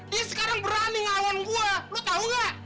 dia sekarang berani ngawan gue lo tau gak